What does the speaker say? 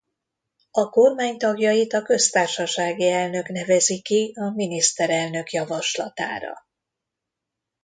A kormány tagjait a köztársasági elnök nevezi ki a miniszterelnök javaslatára.